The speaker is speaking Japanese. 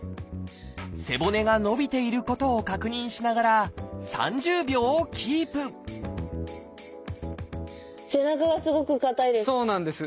背骨が伸びていることを確認しながら３０秒キープ背中がすごく硬いです。